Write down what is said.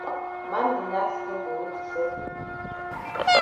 Man di nack skin for weti sef eh?